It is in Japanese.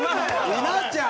稲ちゃん！